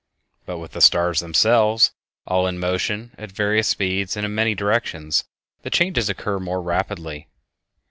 But with the stars themselves all in motion at various speeds and in many directions, the changes occur more rapidly.